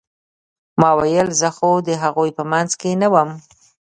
ما وويل زه خو د هغوى په منځ کښې نه وم.